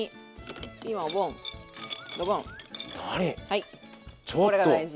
はいこれが大事。